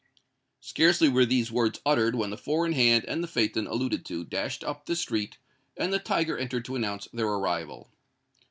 Scarcely were these words uttered when the four in hand and the phaeton alluded to, dashed up the street; and the tiger entered to announce their arrival.